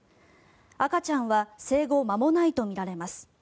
赤ちゃんは生後間もないとみられます。